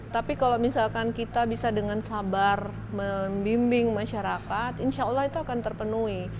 tapi kalau misalkan kita bisa dengan sabar membimbing masyarakat insya allah itu akan terpenuhi